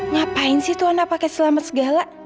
ngapain sih tuan a pake selamat segala